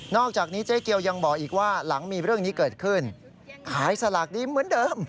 อกจากนี้เจ๊เกียวยังบอกอีกว่าหลังมีเรื่องนี้เกิดขึ้นขายสลากดีเหมือนเดิม